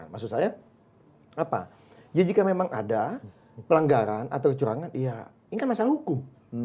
maksud saya apa ya jika memang ada pelanggaran atau kecurangan ya ini kan masalah hukum